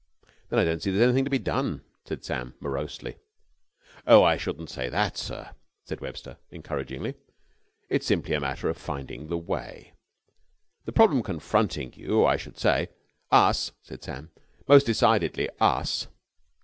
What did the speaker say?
"Then I don't see that there's anything to be done," said Sam morosely. "Oh, I shouldn't say that, sir," said Webster, encouragingly. "It's simply a matter of finding the way. The problem confronting us you, I should say...." "Us," said Sam. "Most decidedly us."